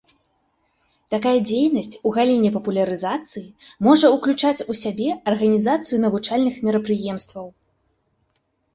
Такая дзейнасць у галіне папулярызацыі можа ўключаць у сябе арганізацыю навучальных мерапрыемстваў.